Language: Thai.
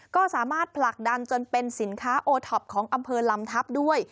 ก็สามารถผลักดันจนเป็นสินค้าโอท็อปของอำเภอลำทัพด้วย